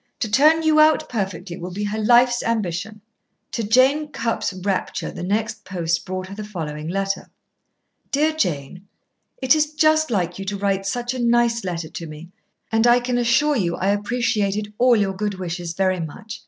To turn you out perfectly will be her life's ambition." To Jane Cupp's rapture the next post brought her the following letter: DEAR JANE, It is just like you to write such a nice letter to me, and I can assure you I appreciated all your good wishes very much.